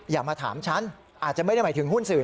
อย่ามาถามฉันอาจจะไม่ได้หมายถึงหุ้นสื่อ